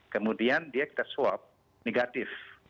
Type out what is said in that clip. kemudian dia kita swab negatif